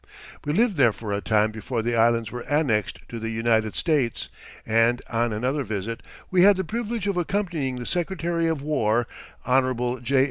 We lived there for a time before the Islands were annexed to the United States and, on another visit, we had the privilege of accompanying the Secretary of War, Hon. J.